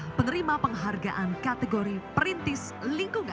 bapak ipung ini adalah penghargaan kategori perintis lingkungan